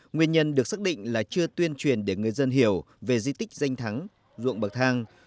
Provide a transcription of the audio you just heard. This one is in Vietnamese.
nguyên nhân được xác định là chưa tuyên truyền để người dân hiểu về di tích danh thắng ruộng bậc thang